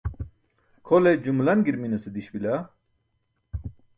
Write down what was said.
Kʰole jumlan girminase diś bila.